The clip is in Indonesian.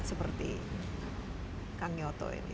seperti kak nyoto ini